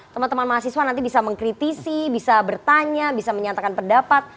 teman teman mahasiswa nanti bisa mengkritisi bisa bertanya bisa menyatakan pendapat